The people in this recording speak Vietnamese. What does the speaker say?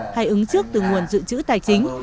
hay ứng trước từ nguồn dự trữ tài chính